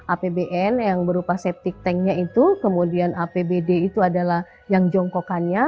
apbn yang berupa septic tanknya itu kemudian apbd itu adalah yang jongkokannya